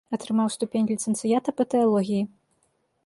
Атрымаў ступень ліцэнцыята па тэалогіі.